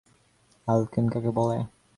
Alkane কাকে বলে?